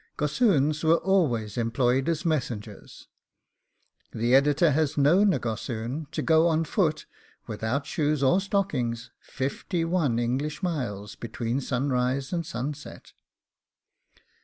Gossoons were always employed as messengers. The Editor has known a gossoon to go on foot, without shoes or stockings, fifty one English miles between sunrise and sunset.